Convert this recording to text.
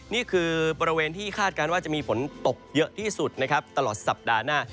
นี่คือบริเวณที่คาดการณ์ว่าจะมีฝนตกเยอะที่สุดนะครับตลอดสัปดาห์หน้า